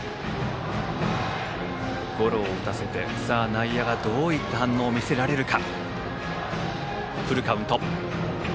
ゴロを打たせて内野がどういう反応をするか。